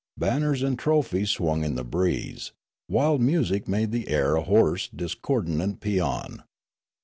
Banners and trophies swung in the breeze. Wild music made the air a hoarse dis cordant paean.